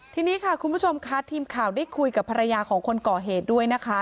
ทีนี้ค่ะคุณผู้ชมค่ะทีมข่าวได้คุยกับภรรยาของคนก่อเหตุด้วยนะคะ